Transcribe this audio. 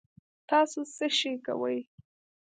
تاسو څه شئ کوی